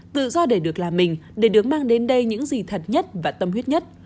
tự do để được làm mình để được mang đến đây những gì thật nhất và tâm huyết nhất